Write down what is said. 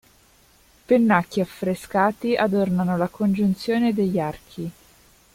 Pennacchi affrescati adornano la congiunzione degli archi.